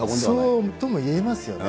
そうとも言えますよね。